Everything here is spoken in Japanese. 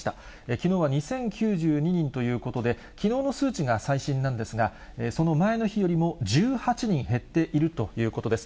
きのうは２０９２人ということで、きのうの数値が最新なんですが、その前の日よりも１８人減っているということです。